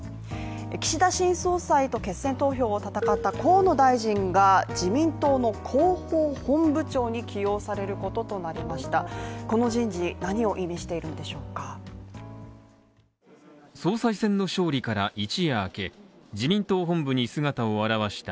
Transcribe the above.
岸田新総裁と決選投票を戦った河野大臣が自民党の広報本部長に起用されることとなりました